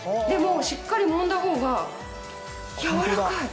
しっかりもんだほうが軟らかい！